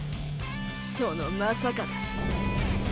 そのまさかだ。